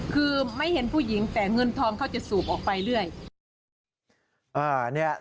คือไม่เห็นผู้หญิงแต่เงินทองเขาจะสูบออกไปเรื่อย